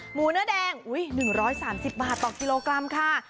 หมูเนื้อแดง๑๓๐บาทต่อกิโลกรัมค่ะ